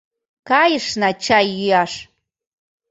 — Кайышна чай йӱаш.